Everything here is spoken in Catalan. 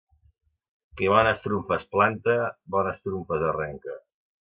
Qui bones trumfes planta, bones trumfes arrenca.